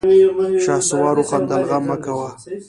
شهسوار وخندل: غم مه کوه!